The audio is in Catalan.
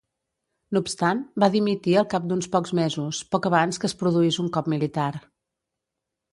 No obstant, va dimitir al cap d'uns pocs mesos, poc abans que es produís un cop militar.